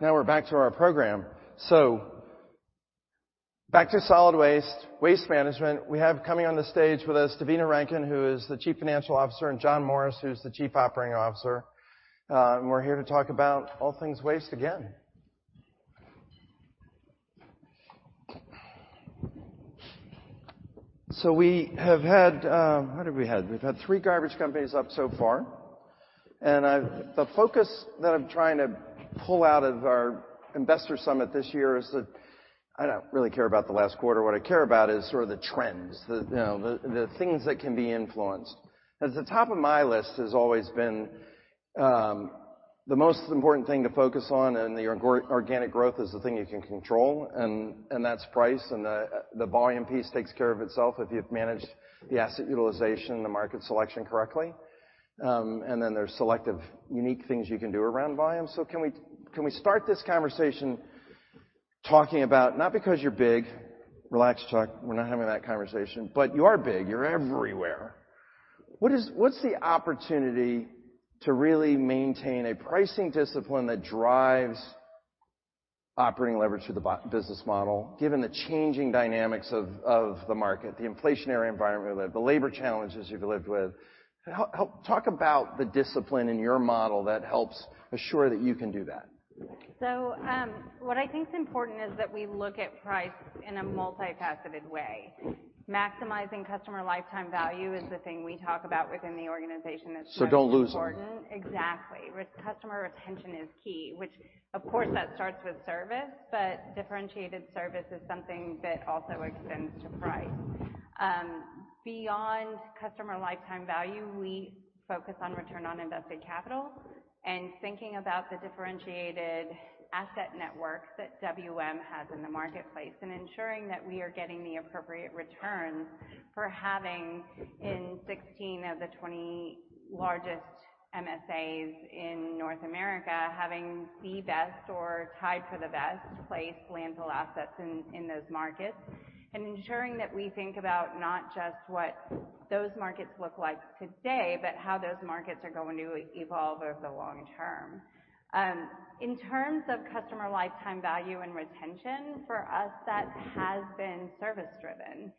Now we're back to our program. Back to solid waste, Waste Management. We have coming on the stage with us Devina Rankin, who is the Chief Financial Officer, and John Morris, who's the Chief Operating Officer. We're here to talk about all things waste again. We have had. What have we had? We've had three garbage companies up so far, and the focus that I'm trying to pull out of our investor summit this year is that I don't really care about the last quarter. What I care about is sort of the trends, the, you know, the things that can be influenced. At the top of my list has always been the most important thing to focus on and organic growth is the thing you can control, and that's price, and the volume piece takes care of itself if you've managed the asset utilization, the market selection correctly. Then there's selective, unique things you can do around volume. Can we start this conversation talking about, not because you're big. Relax, Chuck, we're not having that conversation. You are big. You're everywhere. What's the opportunity to really maintain a pricing discipline that drives operating leverage through the business model, given the changing dynamics of the market, the inflationary environment we live, the labor challenges you've lived with? Talk about the discipline in your model that helps assure that you can do that. What I think is important is that we look at price in a multifaceted way. Maximizing customer lifetime value is the thing we talk about within the organization. Don't lose them. Most important. Exactly. Customer retention is key, which of course that starts with service, but differentiated service is something that also extends to price. Beyond customer lifetime value, we focus on return on invested capital and thinking about the differentiated asset network that WM has in the marketplace and ensuring that we are getting the appropriate returns for having in 16 of the 20 largest MSAs in North America, having the best or tied for the best place landfill assets in those markets. Ensuring that we think about not just what those markets look like today, but how those markets are going to evolve over the long term. In terms of customer lifetime value and retention, for us, that has been service-driven.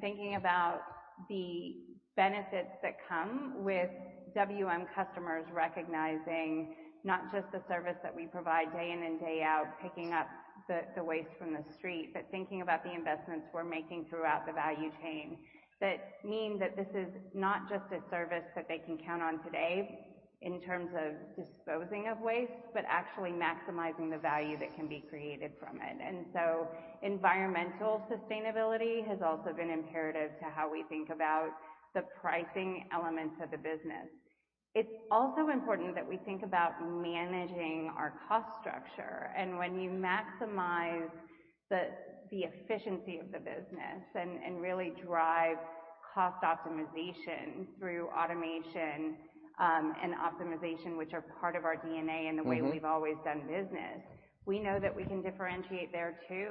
Thinking about the benefits that come with WM customers recognizing not just the service that we provide day in and day out, picking up the waste from the street, but thinking about the investments we're making throughout the value chain. That mean that this is not just a service that they can count on today in terms of disposing of waste, but actually maximizing the value that can be created from it. Environmental sustainability has also been imperative to how we think about the pricing elements of the business. It's also important that we think about managing our cost structure. When you maximize the efficiency of the business and really drive cost optimization through automation and optimization, which are part of our DNA. Mm-hmm. The way we've always done business, we know that we can differentiate there too.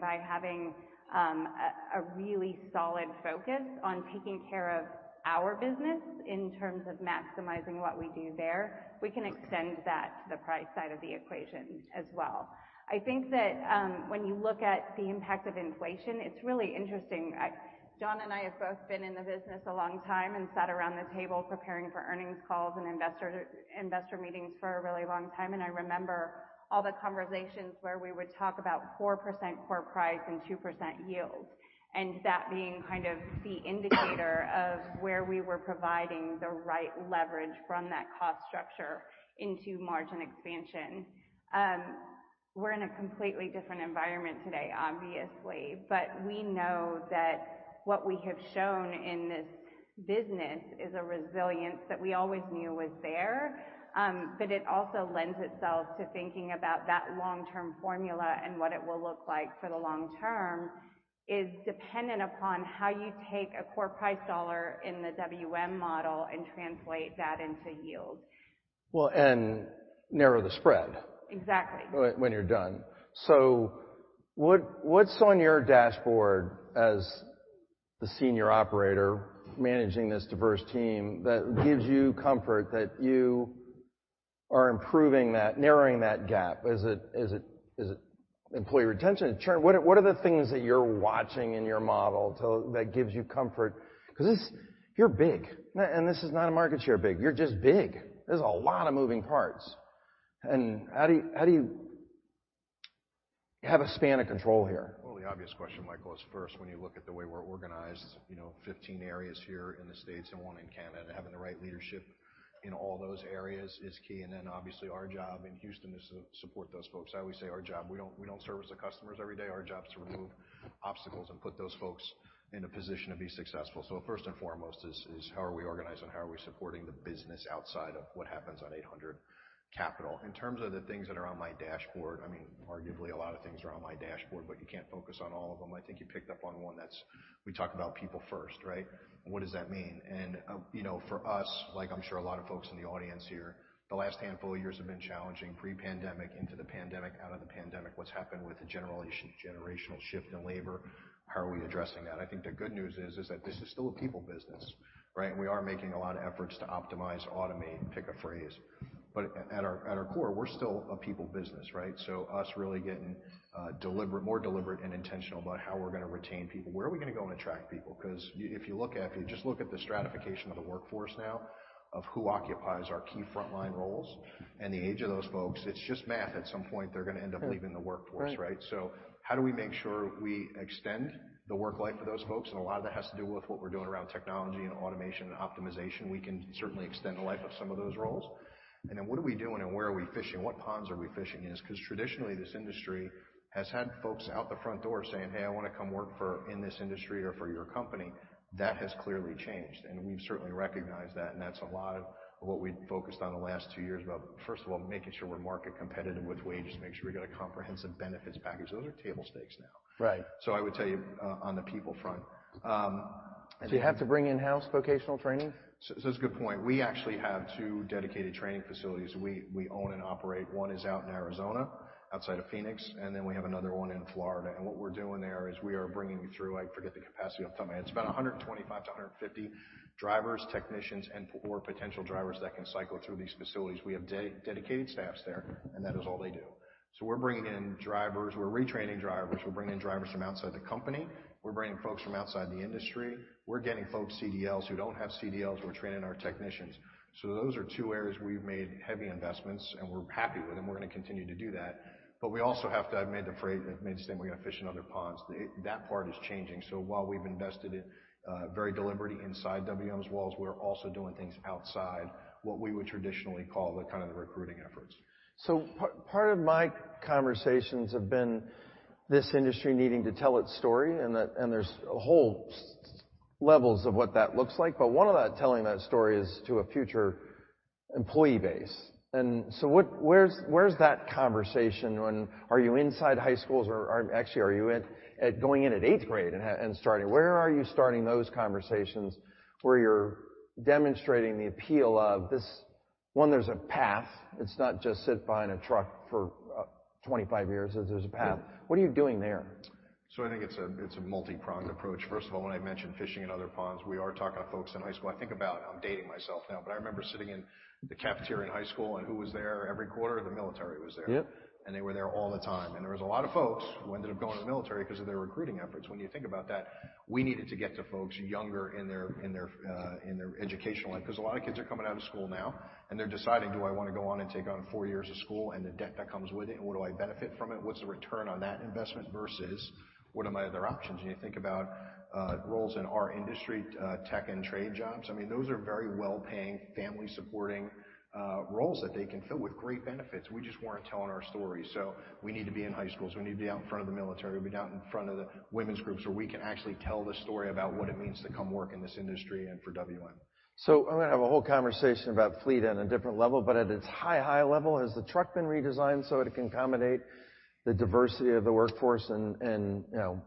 By having a really solid focus on taking care of our business in terms of maximizing what we do there, we can extend that to the price side of the equation as well. I think that when you look at the impact of inflation, it's really interesting. John and I have both been in the business a long time and sat around the table preparing for earnings calls and investor meetings for a really long time. I remember all the conversations where we would talk about 4% core price and 2% yield, and that being kind of the indicator of where we were providing the right leverage from that cost structure into margin expansion. We're in a completely different environment today, obviously, but we know that what we have shown in this business is a resilience that we always knew was there. It also lends itself to thinking about that long-term formula and what it will look like for the long term is dependent upon how you take a core price dollar in the WM model and translate that into yield. Well, narrow the spread-. Exactly. When you're done. What, what's on your dashboard as the senior operator managing this diverse team that gives you comfort that you are improving that, narrowing that gap? Is it employee retention? Churn? What are the things that you're watching in your model to that gives you comfort? 'Cause this... You're big, and this is not a market share big. You're just big. There's a lot of moving parts. How do you have a span of control here? The obvious question, Michael, is first, when you look at the way we're organized, you know, 15 areas here in the States and one in Canada, having the right leadership in all those areas is key. Obviously, our job in Houston is to support those folks. I always say our job, we don't service the customers every day. Our job is to remove obstacles and put those folks in a position to be successful. First and foremost is how are we organized and how are we supporting the business outside of what happens on 800 Capitol. The things that are on my dashboard, I mean, arguably a lot of things are on my dashboard, you can't focus on all of them. I think you picked up on one that's. We talk about people first, right? What does that mean? You know, for us, like I'm sure a lot of folks in the audience here, the last handful of years have been challenging pre-pandemic into the pandemic, out of the pandemic. What's happened with the generational shift in labor, how are we addressing that? I think the good news is that this is still a people business, right? We are making a lot of efforts to optimize, automate, pick a phrase. At our core, we're still a people business, right? Us really getting more deliberate and intentional about how we're gonna retain people. Where are we gonna go and attract people? 'Cause if you just look at the stratification of the workforce now of who occupies our key frontline roles and the age of those folks, it's just math. At some point, they're gonna end up leaving the workforce, right? Right. How do we make sure we extend the work life of those folks? A lot of that has to do with what we're doing around technology and automation and optimization. We can certainly extend the life of some of those roles. What are we doing and where are we fishing? What ponds are we fishing? 'Cause traditionally this industry has had folks out the front door saying, "Hey, I wanna come work for in this industry or for your company." That has clearly changed, and we've certainly recognized that, and that's a lot of what we've focused on the last two years about, first of all, making sure we're market competitive with wages, make sure we got a comprehensive benefits package. Those are table stakes now. Right. I would tell you, on the people front. Do you have to bring in-house vocational training? That's a good point. We actually have two dedicated training facilities we own and operate. One is out in Arizona, outside of Phoenix, and then we have another one in Florida. What we're doing there is we are bringing through, I forget the capacity off the top of my head. It's about 125 to 150 drivers, technicians, and or potential drivers that can cycle through these facilities. We have de-dedicated staffs there, and that is all they do. We're bringing in drivers. We're retraining drivers. We're bringing in drivers from outside the company. We're bringing folks from outside the industry. We're getting folks CDLs who don't have CDLs. We're training our technicians. Those are two areas we've made heavy investments, and we're happy with them. We're gonna continue to do that. We also have to have made the frame, made the statement, we're gonna fish in other ponds. That part is changing. While we've invested it, very deliberately inside WM's walls, we're also doing things outside what we would traditionally call the kind of the recruiting efforts. Part of my conversations have been this industry needing to tell its story. And there's whole levels of what that looks like. One of that telling that story is to a future employee base. Where's that conversation when? Are you inside high schools or are you in, at going in at eighth grade and starting? Where are you starting those conversations where you're demonstrating the appeal of this, one, there's a path. It's not just sit behind a truck for 25 years. There's a path. What are you doing there? I think it's a, it's a multi-pronged approach. First of all, when I mentioned fishing in other ponds, we are talking to folks in high school. I think about, I'm dating myself now, but I remember sitting in the cafeteria in high school and who was there every quarter? The military was there. Yep. They were there all the time. There was a lot of folks who ended up going to the military 'cause of their recruiting efforts. When you think about that, we needed to get to folks younger in their, in their educational life, 'cause a lot of kids are coming out of school now, and they're deciding, "Do I wanna go on and take on four years of school and the debt that comes with it? What do I benefit from it? What's the return on that investment versus what are my other options?" When you think about roles in our industry, tech and trade jobs, I mean, those are very well-paying, family-supporting, roles that they can fill with great benefits. We just weren't telling our story. We need to be in high schools. We need to be out in front of the military. We out in front of the women's groups where we can actually tell the story about what it means to come work in this industry and for WM. I'm gonna have a whole conversation about fleet on a different level, but at its high, high level, has the truck been redesigned so it can accommodate the diversity of the workforce? You know,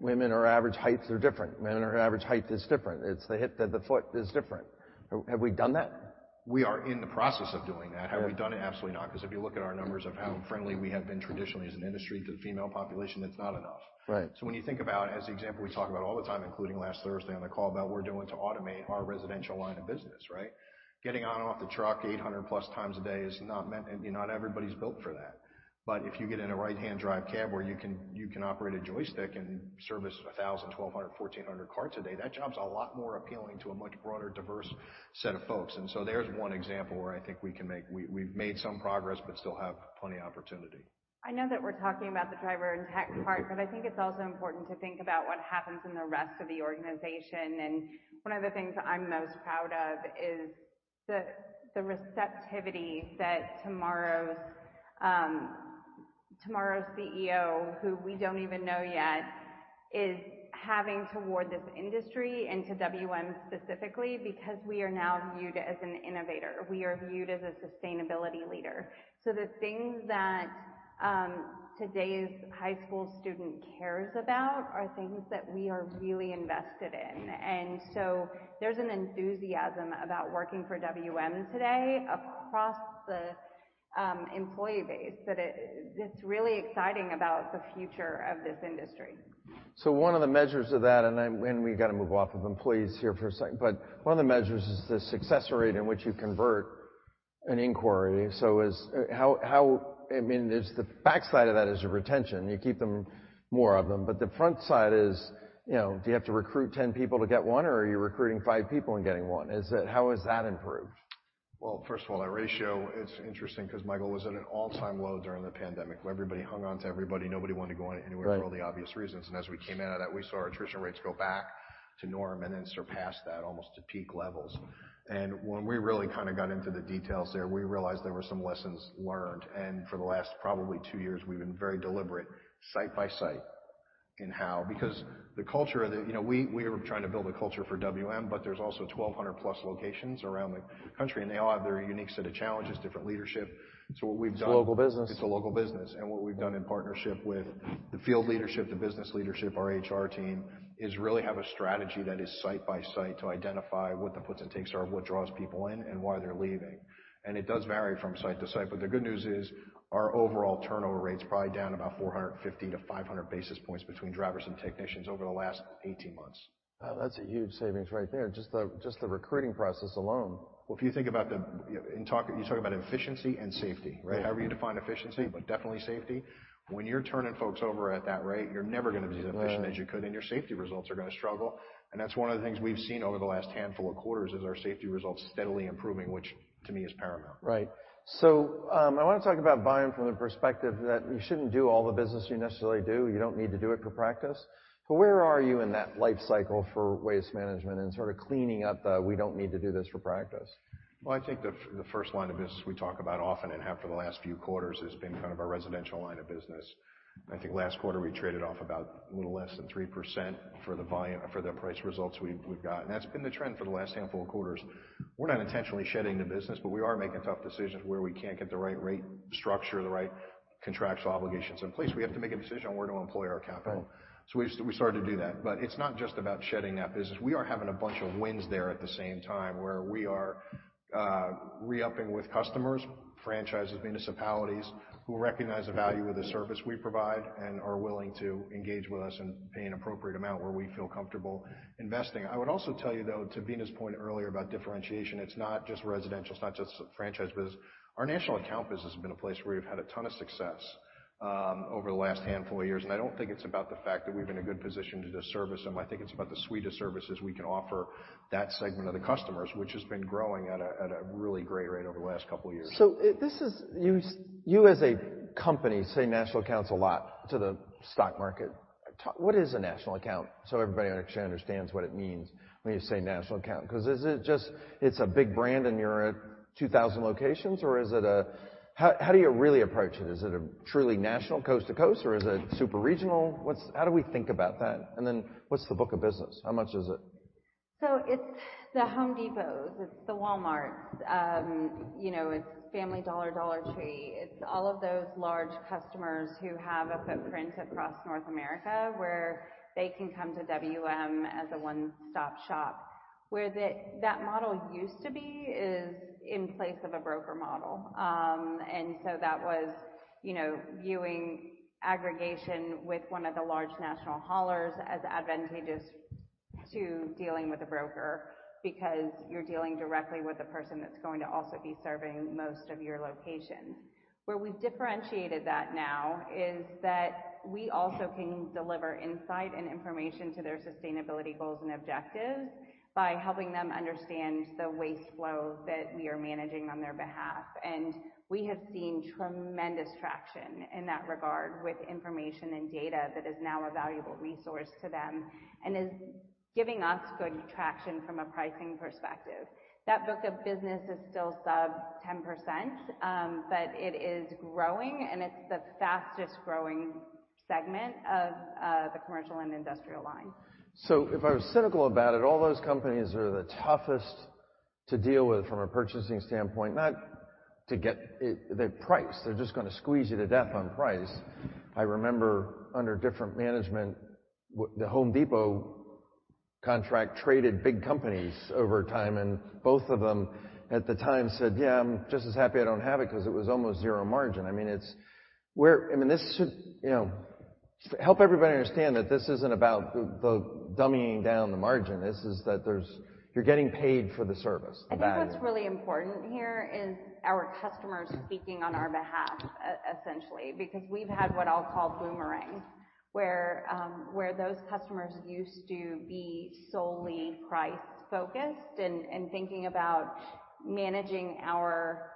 women are average heights are different. Men are average height is different. It's the hip to the foot is different. Have we done that? We are in the process of doing that. Yeah. Have we done it? Absolutely not. 'Cause if you look at our numbers of how friendly we have been traditionally as an industry to the female population, it's not enough. Right. When you think about, as the example we talk about all the time, including last Thursday on the call, about we're doing to automate our residential line of business, right? Getting on and off the truck 800+ times a day is not everybody's built for that. If you get in a right-hand drive cab where you can, you can operate a joystick and service 1,000, 1,200, 1,400 carts a day, that job's a lot more appealing to a much broader, diverse set of folks. There's one example where I think we can make. We've made some progress but still have plenty of opportunity. I know that we're talking about the driver and tech part, but I think it's also important to think about what happens in the rest of the organization. One of the things I'm most proud of is the receptivity that tomorrow's CEO, who we don't even know yet, is having toward this industry and to WM specifically, because we are now viewed as an innovator. We are viewed as a sustainability leader. The things that today's high school student cares about are things that we are really invested in. There's an enthusiasm about working for WM today across the employee base that it's really exciting about the future of this industry. One of the measures of that, and we gotta move off of employees here for a second. One of the measures is the success rate in which you convert an inquiry. How— I mean, there's the backside of that is your retention. You keep them, more of them. The front side is, you know, do you have to recruit 10 people to get one, or are you recruiting five people and getting one? How has that improved? First of all, that ratio, it's interesting 'cause Michael was at an all-time low during the pandemic, where everybody hung on to everybody. Nobody wanted to go anywhere. Right. for all the obvious reasons. As we came out of that, we saw our attrition rates go back to norm and then surpass that almost to peak levels. When we really kinda got into the details there, we realized there were some lessons learned. For the last probably two years, we've been very deliberate, site by site, in how, The culture that, you know, we are trying to build a culture for WM, but there's also 1,200 plus locations around the country, and they all have their unique set of challenges, different leadership. What we've done- It's a local business. It's a local business. What we've done in partnership with the field leadership, the business leadership, our HR team, is really have a strategy that is site by site to identify what the puts and takes are, what draws people in, and why they're leaving. It does vary from site to site, but the good news is our overall turnover rate's probably down about 450-500 basis points between drivers and technicians over the last 18 months. Wow, that's a huge savings right there, just the recruiting process alone. Well, if you think about You talk about efficiency and safety, right? Mm-hmm. However you define efficiency, but definitely safety. When you're turning folks over at that rate, you're never gonna be as efficient as you could, and your safety results are gonna struggle. That's one of the things we've seen over the last handful of quarters, is our safety results steadily improving, which to me is paramount. Right. I wanna talk about buying from the perspective that you shouldn't do all the business you necessarily do. You don't need to do it for practice. Where are you in that life cycle for Waste Management and sort of cleaning up the, "We don't need to do this for practice? I think the first line of business we talk about often and have for the last few quarters has been kind of our residential line of business. I think last quarter we traded off about a little less than 3% for the price results we've got. That's been the trend for the last handful of quarters. We're not intentionally shedding the business, we are making tough decisions where we can't get the right rate structure, the right contractual obligations in place. We have to make a decision on where to employ our capital. Right. We started to do that. It's not just about shedding that business. We are having a bunch of wins there at the same time, where we are re-upping with customers, franchises, municipalities who recognize the value of the service we provide and are willing to engage with us and pay an appropriate amount where we feel comfortable investing. I would also tell you, though, to Veena's point earlier about differentiation, it's not just residential, it's not just franchise business. Our national account business has been a place where we've had a ton of success over the last handful of years. I don't think it's about the fact that we've been a good position to service them. I think it's about the suite of services we can offer that segment of the customers, which has been growing at a really great rate over the last couple of years. You as a company say national accounts a lot to the stock market. What is a national account, so everybody actually understands what it means when you say national account? Because is it just it's a big brand and you're at 2,000 locations, or is it? How do you really approach it? Is it a truly national, coast to coast, or is it super regional? How do we think about that? What's the book of business? How much is it? It's the Home Depots, it's the Walmarts, you know, it's Family Dollar Tree. It's all of those large customers who have a footprint across North America, where they can come to WM as a one-stop shop. Where that model used to be is in place of a broker model. That was, you know, viewing aggregation with one of the large national haulers as advantageous to dealing with a broker because you're dealing directly with the person that's going to also be serving most of your locations. Where we've differentiated that now is that we also can deliver insight and information to their sustainability goals and objectives by helping them understand the waste flow that we are managing on their behalf. We have seen tremendous traction in that regard with information and data that is now a valuable resource to them and is giving us good traction from a pricing perspective. That book of business is still sub 10%, but it is growing, and it's the fastest growing segment of the commercial and industrial line. If I was cynical about it, all those companies are the toughest to deal with from a purchasing standpoint. They're just gonna squeeze you to death on price. I remember under different management, the Home Depot contract traded big companies over time, and both of them at the time said, "Yeah, I'm just as happy I don't have it," 'cause it was almost zero margin. I mean, this should, you know. Help everybody understand that this isn't about the dummying down the margin. You're getting paid for the service, the value. I think what's really important here is our customers speaking on our behalf essentially, because we've had what I'll call boomerangs, where those customers used to be solely price-focused and thinking about managing our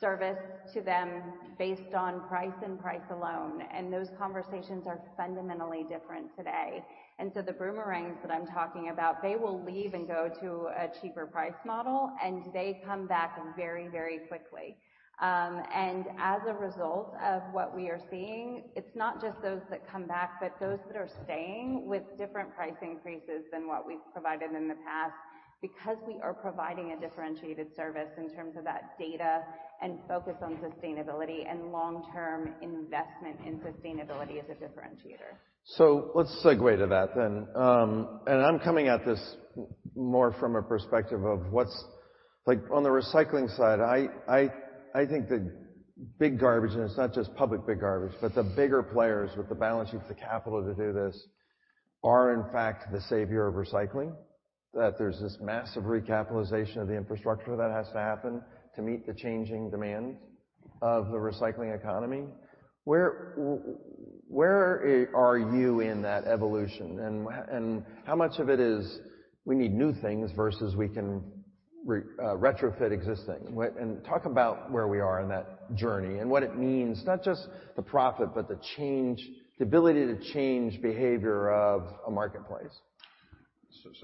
service to them based on price and price alone, and those conversations are fundamentally different today. The boomerangs that I'm talking about, they will leave and go to a cheaper price model, and they come back very, very quickly. As a result of what we are seeing, it's not just those that come back, but those that are staying with different price increases than what we've provided in the past because we are providing a differentiated service in terms of that data and focus on sustainability and long-term investment in sustainability as a differentiator. Let's segue to that then. I'm coming at this more from a perspective of what's... Like, on the recycling side, I think the big garbage, and it's not just public big garbage, but the bigger players with the balance sheets, the capital to do this are in fact the savior of recycling, that there's this massive recapitalization of the infrastructure that has to happen to meet the changing demand of the recycling economy. Where are you in that evolution, and how much of it is we need new things versus we can retrofit existing? Talk about where we are in that journey and what it means, not just the profit, but the change, the ability to change behavior of a marketplace.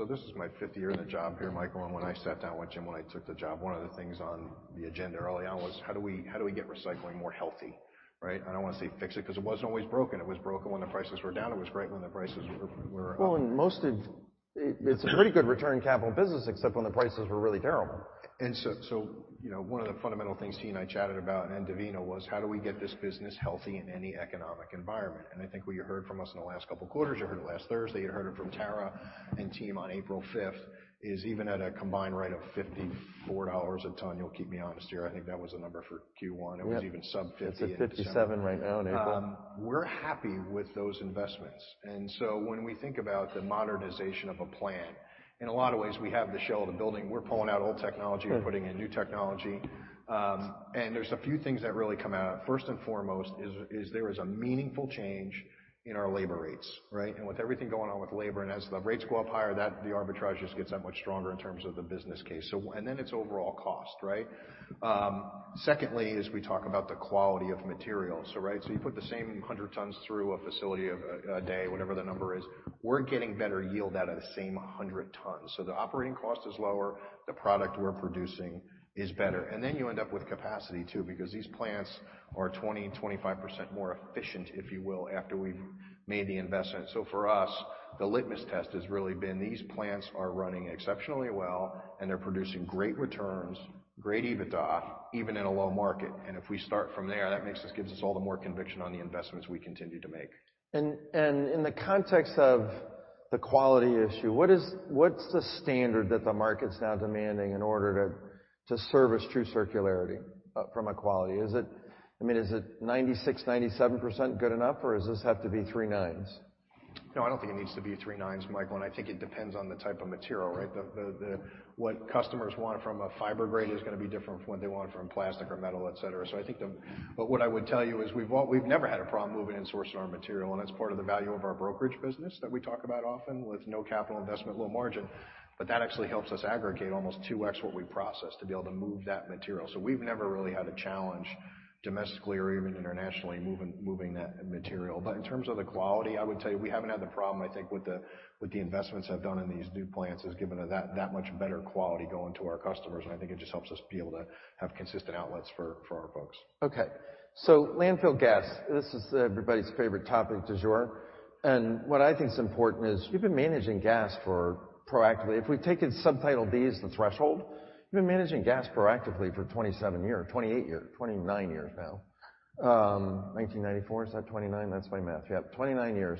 This is my fifth year in the job here, Michael, and when I sat down with Jim when I took the job, one of the things on the agenda early on was how do we get recycling more healthy, right? I don't want to say fix it because it wasn't always broken. It was broken when the prices were down. It was great when the prices were up. It's a pretty good return capital business, except when the prices were really terrible. You know, one of the fundamental things he and I chatted about and Devina was how do we get this business healthy in any economic environment? I think what you heard from us in the last couple of quarters, you heard it last Thursday, you heard it from Tara and team on April 5th, is even at a combined rate of $54 a ton. You'll keep me honest here. I think that was the number for Q1. Yeah. It was even sub-50. It's at 57 right now in April. We're happy with those investments. When we think about the modernization of a plant, in a lot of ways, we have the shell of the building. We're pulling out old technology and putting in new technology. There's a few things that really come out. First and foremost is there is a meaningful change in our labor rates, right? With everything going on with labor, and as the rates go up higher, the arbitrage just gets that much stronger in terms of the business case. Then it's overall cost, right? Secondly, is we talk about the quality of materials, so right? You put the same 100 tons through a facility of a day, whatever the number is, we're getting better yield out of the same 100 tons. The operating cost is lower, the product we're producing is better. You end up with capacity too, because these plants are 20-25% more efficient, if you will, after we've made the investment. For us, the litmus test has really been these plants are running exceptionally well, and they're producing great returns, great EBITDA, even in a low market. If we start from there, that gives us all the more conviction on the investments we continue to make. In the context of the quality issue, what's the standard that the market's now demanding in order to service true circularity from a quality? I mean, is it 96%, 97% good enough, or does this have to be 3 nines? No, I don't think it needs to be three nines, Michael. I think it depends on the type of material, right? What customers want from a fiber grade is gonna be different from what they want from plastic or metal, et cetera. I think the... What I would tell you is we've never had a problem moving in sourcing our material. That's part of the value of our brokerage business that we talk about often with no capital investment, low margin. That actually helps us aggregate almost two X what we process to be able to move that material. We've never really had a challenge domestically or even internationally moving that material. In terms of the quality, I would tell you we haven't had the problem, I think, with the, with the investments I've done in these new plants has given it that much better quality going to our customers, and I think it just helps us be able to have consistent outlets for our folks. Landfill gas, this is everybody's favorite topic du jour. What I think is important is you've been managing gas for proactively. If we take it Subtitle D as the threshold, you've been managing gas proactively for 27 years, 28 years, 29 years now. 1994, is that 29? That's my math. Yeah, 29 years.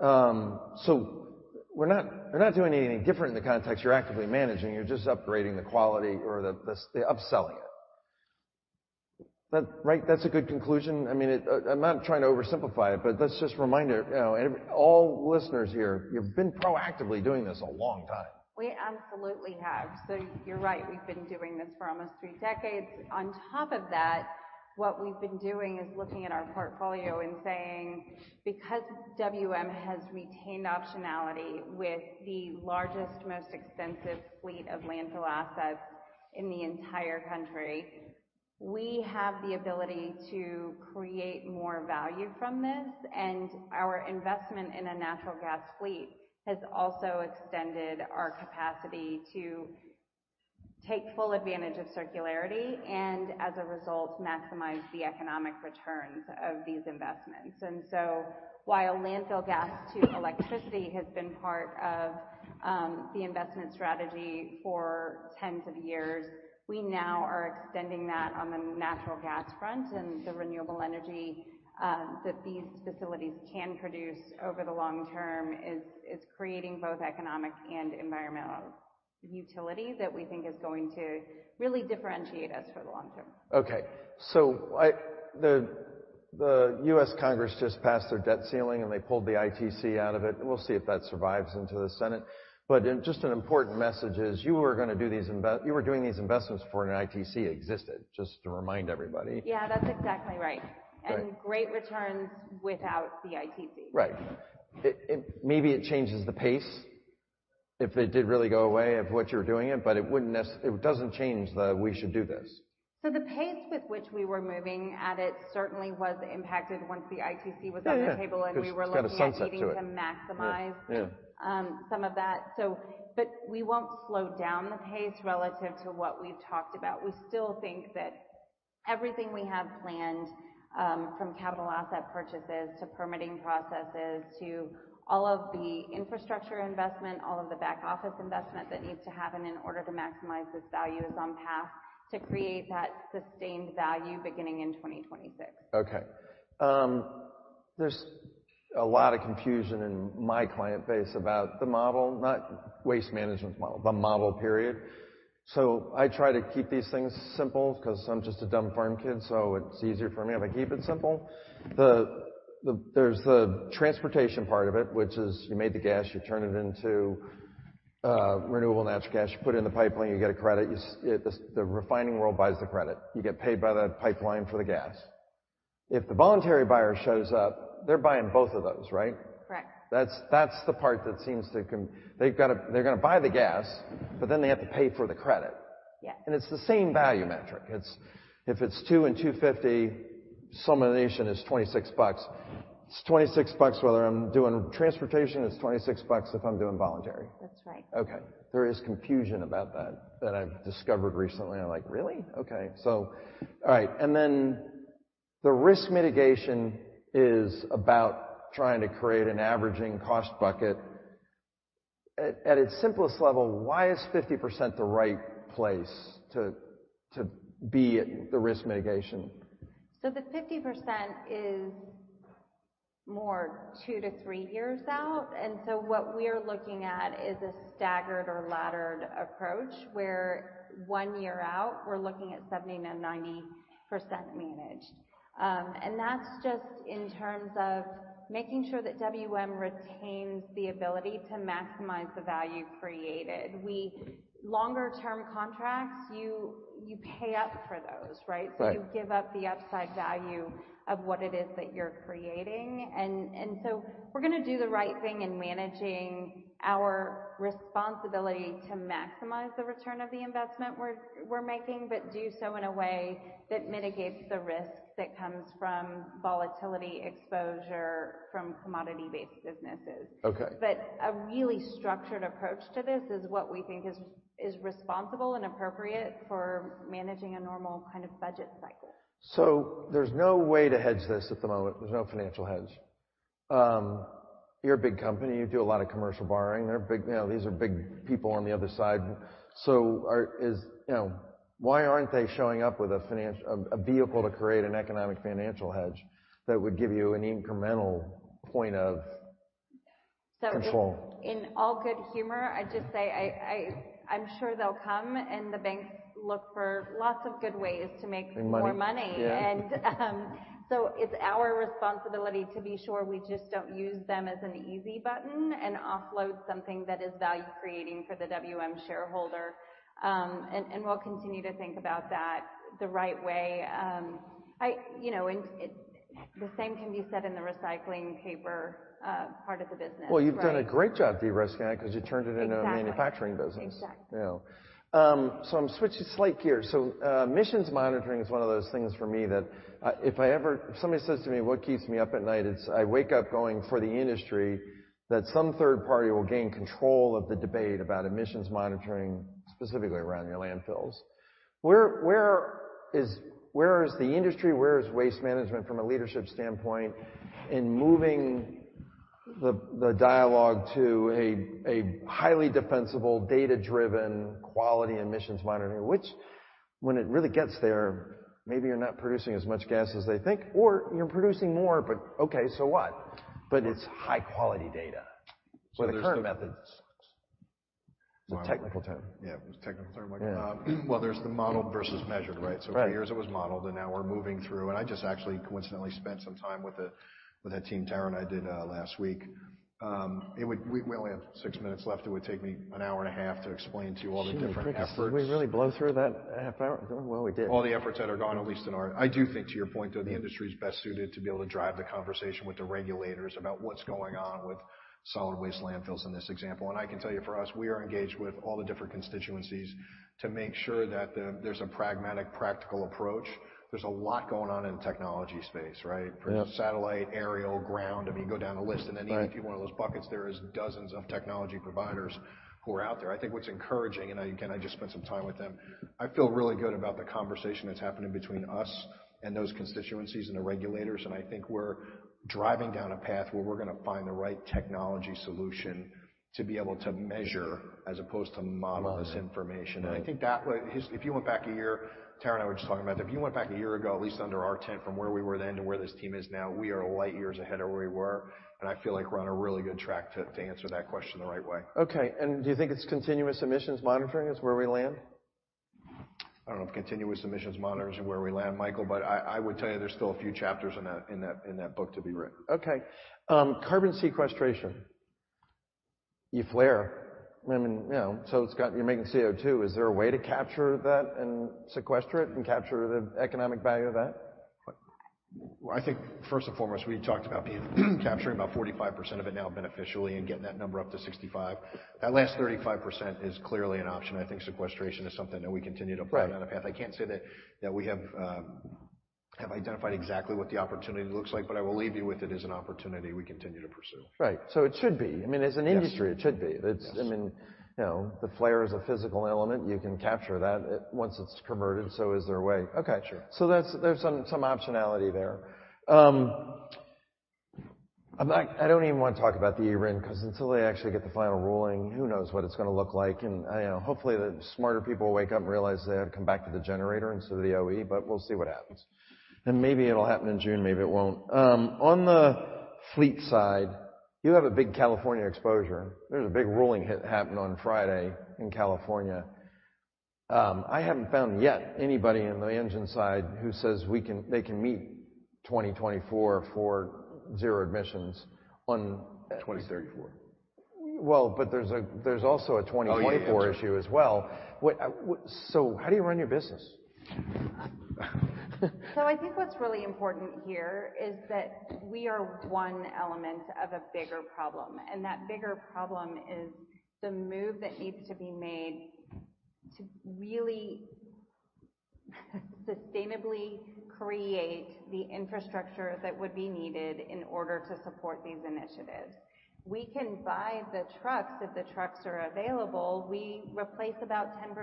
We're not doing anything different in the context. You're actively managing, you're just upgrading the quality or the upselling it. That right? That's a good conclusion. I mean, it, I'm not trying to oversimplify it, but let's just remind it. You know, all listeners here, you've been proactively doing this a long time. We absolutely have. You're right, we've been doing this for almost 3 decades. On top of that, what we've been doing is looking at our portfolio and saying, because WM has retained optionality with the largest, most extensive fleet of landfill assets in the entire country, we have the ability to create more value from this. Our investment in a natural gas fleet has also extended our capacity to take full advantage of circularity, and as a result, maximize the economic returns of these investments. While landfill gas to electricity has been part of the investment strategy for tens of years, we now are extending that on the natural gas front and the renewable energy that these facilities can produce over the long term is creating both economic and environmental utility that we think is going to really differentiate us for the long term. Okay. The U.S. Congress just passed their debt ceiling, and they pulled the ITC out of it. We'll see if that survives into the Senate. Just an important message is you were gonna do these investments before an ITC existed, just to remind everybody. Yeah, that's exactly right. Right. Great returns without the ITC. Right. Maybe it changes the pace if it did really go away of what you're doing it, but it doesn't change the, we should do this. The pace with which we were moving at it certainly was impacted once the ITC was off the table. Yeah, yeah. We were looking at. 'Cause it's got a sunset to it. needing to maximize Yeah. Yeah. some of that. We won't slow down the pace relative to what we've talked about. We still think that everything we have planned, from capital asset purchases to permitting processes to all of the infrastructure investment, all of the back-office investment that needs to happen in order to maximize this value is on path to create that sustained value beginning in 2026. Okay. There's a lot of confusion in my client base about the model, not Waste Management's model, the model, period. I try to keep these things simple 'cause I'm just a dumb farm kid, so it's easier for me if I keep it simple. There's the transportation part of it, which is you made the gas, you turn it into renewable natural gas. You put it in the pipeline, you get a credit. The refining world buys the credit. You get paid by that pipeline for the gas. If the voluntary buyer shows up, they're buying both of those, right? Correct. They're gonna buy the gas, but then they have to pay for the credit. Yeah. It's the same value metric. If it's two and 2.50-Summation is $26. It's $26 whether I'm doing transportation, it's $26 if I'm doing voluntary. That's right. Okay. There is confusion about that I've discovered recently. I'm like, "Really?" Okay. All right. The risk mitigation is about trying to create an averaging cost bucket. At its simplest level, why is 50% the right place to be at the risk mitigation? The 50% is more two to three years out. What we're looking at is a staggered or laddered approach, where one year out we're looking at 70% to 90% managed. That's just in terms of making sure that WM retains the ability to maximize the value created. Longer term contracts, you pay up for those, right? Right. You give up the upside value of what it is that you're creating. We're gonna do the right thing in managing our responsibility to maximize the return of the investment we're making, but do so in a way that mitigates the risks that comes from volatility exposure from commodity-based businesses. Okay. A really structured approach to this is what we think is responsible and appropriate for managing a normal kind of budget cycle. There's no way to hedge this at the moment. There's no financial hedge. You're a big company. You do a lot of commercial borrowing. You know, these are big people on the other side. You know, why aren't they showing up with a vehicle to create an economic financial hedge that would give you an incremental point of control? In all good humor, I'm sure they'll come, and the banks look for lots of good ways to. Make money. -more money. Yeah. It's our responsibility to be sure we just don't use them as an easy button and offload something that is value-creating for the WM shareholder. And we'll continue to think about that the right way. You know, the same can be said in the recycling paper part of the business, right? Well, you've done a great job de-risking that 'cause you turned it. Exactly. a manufacturing business. Exactly. Yeah. I'm switching slight gears. Emissions monitoring is one of those things for me that, if somebody says to me what keeps me up at night, it's I wake up going for the industry that some third party will gain control of the debate about emissions monitoring, specifically around your landfills. Where is the industry? Where is Waste Management from a leadership standpoint in moving the dialogue to a highly defensible, data-driven, quality emissions monitoring? Which when it really gets there, maybe you're not producing as much gas as they think or you're producing more, but okay, so what? It's high-quality data. The current methods- Well, there's. It's a technical term. Yeah, it's a technical term. Yeah. Well, there's the modeled versus measured, right? Right. For years it was modeled, and now we're moving through. I just actually coincidentally spent some time with that team, Tara, I did last week. We only have six minutes left. It would take me an hour and a half to explain to you all the different efforts. Gee, did we really blow through that half hour? We did. All the efforts that are gone, I do think to your point, though, the industry's best suited to be able to drive the conversation with the regulators about what's going on with solid waste landfills in this example. I can tell you, for us, we are engaged with all the different constituencies to make sure that there's a pragmatic, practical approach. There's a lot going on in the technology space, right? Yeah. There's satellite, aerial, ground. I mean, you go down the list. Right. In any one of those buckets, there is dozens of technology providers who are out there. I think what's encouraging, and again, I just spent some time with them, I feel really good about the conversation that's happening between us and those constituencies and the regulators, and I think we're driving down a path where we're gonna find the right technology solution to be able to measure as opposed to model. Model. this information. Right. I think that way, if you went back a year, Tara and I were just talking about that, if you went back a year ago, at least under our tent from where we were then to where this team is now, we are light years ahead of where we were, and I feel like we're on a really good track to answer that question the right way. Okay. Do you think it's continuous emissions monitoring is where we land? I don't know if continuous emissions monitoring is where we land, Michael, but I would tell you there's still a few chapters in that book to be written. Okay. carbon sequestration. You flare. I mean, you know, You're making CO2. Is there a way to capture that and sequester it and capture the economic value of that? I think first and foremost, we talked about capturing about 45% of it now beneficially and getting that number up to 65. That last 35% is clearly an option. I think sequestration is something that we continue to. Right. -plan out a path. I can't say that we have identified exactly what the opportunity looks like, but I will leave you with it as an opportunity we continue to pursue. Right. It should be. I mean, as an industry- Yes. it should be. Yes. It's, I mean, you know, the flare is a physical element. You can capture that once it's converted, so is there a way? Okay. Sure. There's some optionality there. I don't even wanna talk about the eRIN 'cause until they actually get the final ruling, who knows what it's gonna look like. You know, hopefully, the smarter people wake up and realize they ought to come back to the generator instead of the OE, but we'll see what happens. Maybe it'll happen in June, maybe it won't. On the fleet side, you have a big California exposure. There's a big ruling happened on Friday in California. I haven't found yet anybody in the engine side who says they can meet 2024 for zero emissions on- 2034. Well, there's also a 2024. Oh, yeah. -issue as well. How do you run your business? I think what's really important here is that we are one element of a bigger problem, and that bigger problem is the move that needs to be made to really sustainably create the infrastructure that would be needed in order to support these initiatives. We can buy the trucks if the trucks are available. We replace about 10%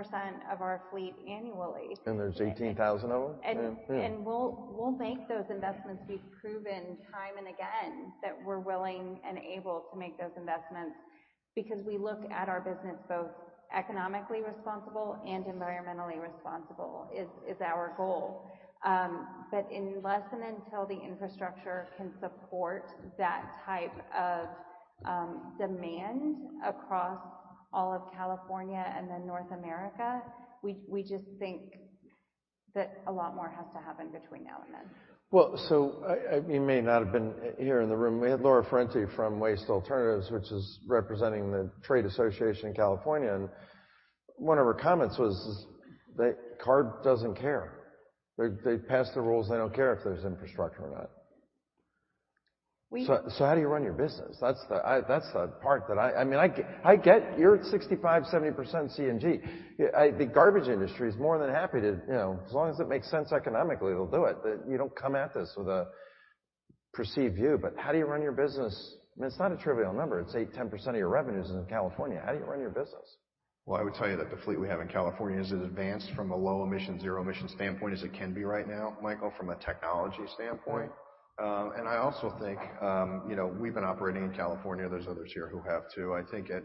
of our fleet annually. There's 18,000 of them? Yeah, yeah. We'll make those investments. We've proven time and again that we're willing and able to make those investments, because we look at our business both economically responsible and environmentally responsible, is our goal. Unless and until the infrastructure can support that type of demand across all of California and then North America, we just think that a lot more has to happen between now and then. You may not have been here in the room. We had Laura Ferrante from Waste Alternatives, which is representing the Trade Association in California, and one of her comments was that CARB doesn't care. They pass the rules, they don't care if there's infrastructure or not. We- How do you run your business? That's the part that I. I mean, I get you're at 65%, 70% CNG. The garbage industry is more than happy to, you know, as long as it makes sense economically, they'll do it, but you don't come at this with a perceived view. How do you run your business? I mean, it's not a trivial number. It's 8%, 10% of your revenues is in California. How do you run your business? Well, I would tell you that the fleet we have in California is as advanced from a low emission, zero emission standpoint as it can be right now, Michael, from a technology standpoint. I also think, you know, we've been operating in California, there's others here who have too. I think at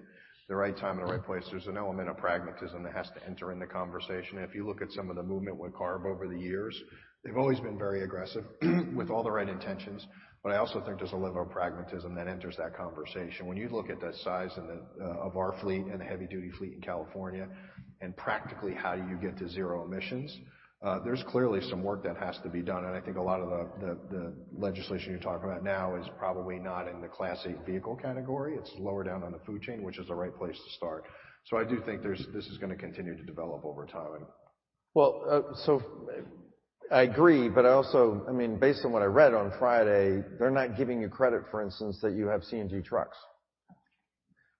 the right time and the right place, there's an element of pragmatism that has to enter in the conversation. If you look at some of the movement with CARB over the years, they've always been very aggressive with all the right intentions. I also think there's a level of pragmatism that enters that conversation. When you look at the size and the of our fleet and the heavy-duty fleet in California, and practically how you get to zero emissions, there's clearly some work that has to be done, and I think a lot of the legislation you're talking about now is probably not in the Class 8 vehicle category. It's lower down on the food chain, which is the right place to start. I do think this is gonna continue to develop over time. I agree, but I also I mean, based on what I read on Friday, they're not giving you credit, for instance, that you have CNG trucks.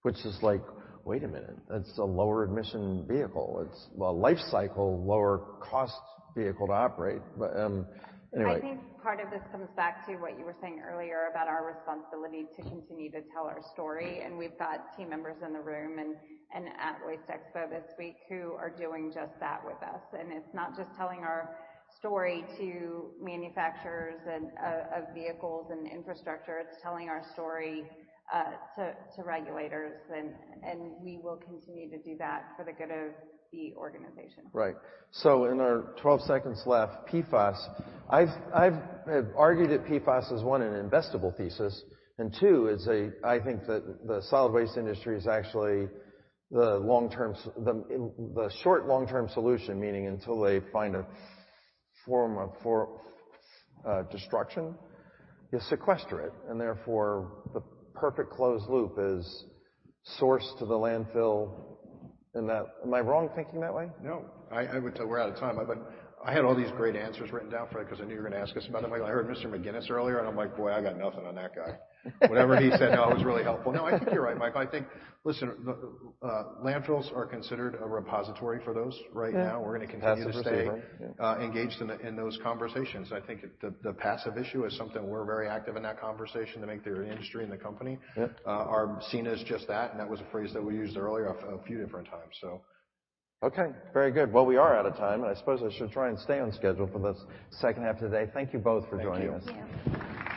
Which is like, wait a minute. That's a lower emission vehicle. It's a life cycle, lower cost vehicle to operate. Anyway. I think part of this comes back to what you were saying earlier about our responsibility to continue to tell our story. We've got team members in the room and at WasteExpo this week who are doing just that with us. It's not just telling our story to manufacturers and of vehicles and infrastructure, it's telling our story to regulators. We will continue to do that for the good of the organization. In our 12 seconds left, PFAS. I've argued that PFAS is, one, an investable thesis, and two, I think that the solid waste industry is actually the long-term short long-term solution, meaning until they find a form of for destruction, you sequester it, and therefore the perfect closed loop is sourced to the landfill and that. Am I wrong thinking that way? No, I would tell. We're out of time, but I had all these great answers written down for that 'cause I knew you were gonna ask us about it. Like, I heard Mr. McGinnis earlier, and I'm like, "Boy, I got nothing on that guy." Whatever he said, no, it was really helpful. No, I think you're right, Michael. I think. Listen, landfills are considered a repository for those right now. Yeah. We're gonna continue to stay. Passive repository. Engaged in those conversations. I think the passive issue is something we're very active in that conversation to make the industry and the company. Yeah. are seen as just that, and that was a phrase that we used earlier a few different times, so. Okay. Very good. Well, we are out of time, and I suppose I should try and stay on schedule for this second half of the day. Thank you both for joining us. Thank you. Thank you.